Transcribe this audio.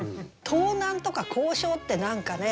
「盗難」とか「咬傷」って何かね